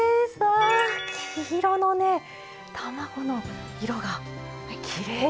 わあ黄色のね卵の色がきれいですね！